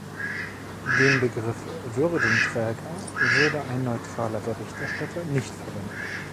Den Begriff Würdenträger würde ein neutraler Berichterstatter nicht verwenden.